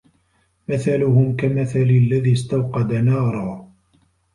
مَثَلُهُمْ كَمَثَلِ الَّذِي اسْتَوْقَدَ نَارًا